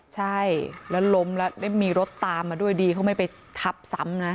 ใช่แล้วล้มแล้วมีรถตามมาด้วยดีเขาไม่ไปทับซ้ำนะ